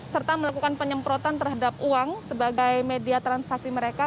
serta melakukan penyemprotan terhadap uang sebagai media transaksi mereka